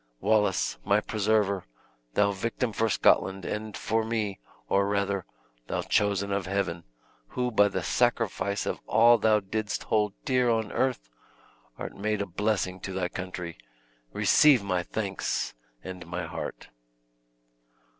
"Wallace, my preserver; thou victim for Scotland, and for me or rather, thou chosen of Heaven; who, by the sacrifice of all thou didst hold dear on earth, art made a blessing to thy country! receive my thanks, and my heart."